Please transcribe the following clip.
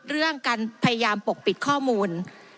เรื่องการพยายามปกปิดข้อมูล